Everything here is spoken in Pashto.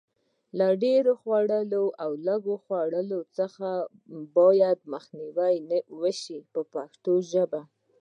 له ډېر خوړلو او لږ خوړلو څخه باید مخنیوی وشي په پښتو ژبه.